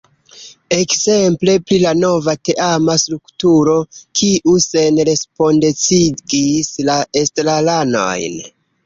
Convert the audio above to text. Ekzemple pri la nova teama strukturo, kiu senrespondecigis la estraranojn.